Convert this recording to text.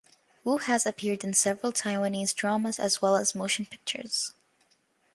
Wu has appeared in several Taiwanese dramas as well as motion pictures.